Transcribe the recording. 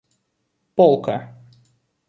полка